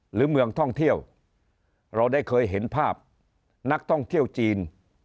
หรือเมืองท่องเที่ยวเราได้เคยเห็นภาพนักท่องเที่ยวจีน